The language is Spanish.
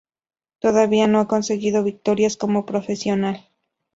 Todavía no ha conseguido victorias como profesional.